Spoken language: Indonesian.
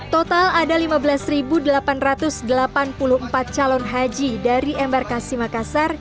total ada lima belas delapan ratus delapan puluh empat calon haji dari embarkasi makassar